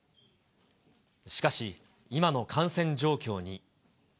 しかし、今の感染状況に。